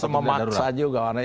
ya ini lagi lagi soal darurat